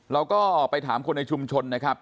เราก็ไปถามคนในชุมชนนะครับ